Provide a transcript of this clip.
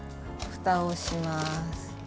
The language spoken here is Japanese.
ふたをします。